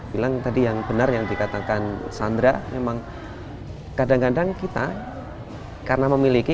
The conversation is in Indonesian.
bilang tadi yang benar yang dikatakan sandra memang kadang kadang kita karena memiliki